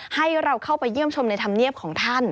ให้เราเข้าไปเยี่ยมชมในธรรมเนียบของท่าน